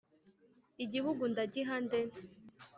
Igihugu ndagiha nde?